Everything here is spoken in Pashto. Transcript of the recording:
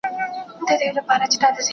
خو شاهد وومه خوددار وومه او يم